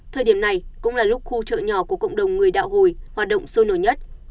thời điểm này cũng là lúc khu chợ nhỏ của cộng đồng người đạo hồi hoạt động sôi nổi nhất